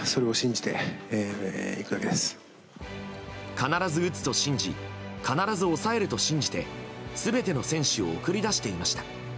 必ず打つと信じ必ず抑えると信じて全ての選手を送り出していました。